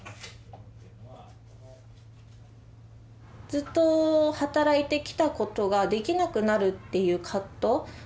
ずっと働いてきたことができなくなるっていう葛藤。